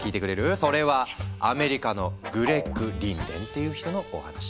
それはアメリカのグレッグ・リンデンっていう人のお話。